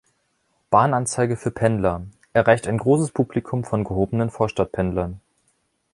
Bahn-Anzeige für Pendler - Erreicht ein großes Publikum von gehobenen Vorstadtpendlern.